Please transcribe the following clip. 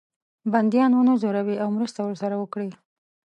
بندیان ونه زوروي او مرسته ورسره وکړي.